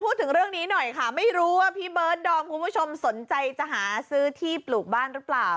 พูดถึงเรื่องนี้หน่อยค่ะไม่รู้ว่าพี่เบิร์ดดอมคุณผู้ชมสนใจจะหาซื้อที่ปลูกบ้านหรือเปล่า